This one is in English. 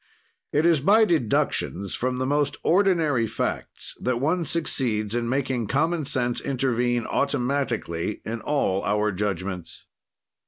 "It is by deductions from the most ordinary facts that one succeeds in making common sense intervene automatically in all our judgments.